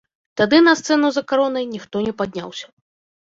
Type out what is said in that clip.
Тады на сцэну за каронай ніхто не падняўся.